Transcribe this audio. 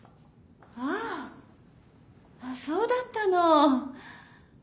あそうだったの。